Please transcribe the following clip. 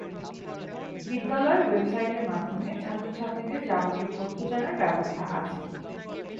বিদ্যালয়ের ওয়েব সাইটের মাধ্যমে ছাত্র-ছাত্রীদের যাবতীয় তথ্য জানার ব্যবস্থা আছে।